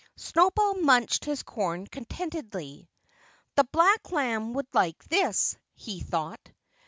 Snowball munched his corn contentedly. "The black lamb would like this," he thought.